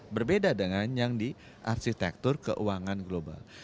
berbeda dengan yang di arsitektur keuangan global